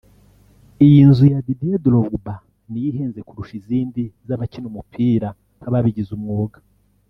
Iyi nzu ya Didier Drogba niyo ihenze kurusha izindi z'abakina umupira nk'ababigize umwuga